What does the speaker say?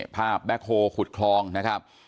แบ็คโฮลขุดคลองนะครับ